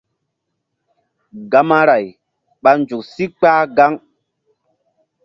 Gamaray ɓa nzuk sí kpah gaŋ.